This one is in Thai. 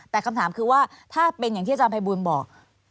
แต่คำถามคือว่าถ้าเป็นอย่างที่อาจารย์ภัยบูลบอก